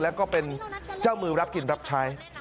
แล้วก็เป็นเจ้ามือรับกินรับใช้